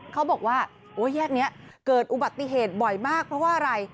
เขาบอกว่าแยกนี้เกิดอุบัติเหตุบ่อยมากเพราะว่าอะไร